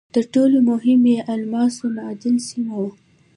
تر ټولو مهم یې د الماسو معدن سیمه وه.